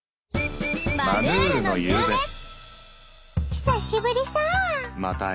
久しぶりさあ。